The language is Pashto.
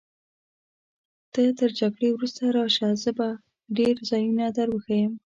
ته تر جګړې وروسته راشه، زه به ډېر ځایونه در وښیم.